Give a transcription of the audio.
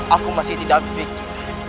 aku masih tidak berpikir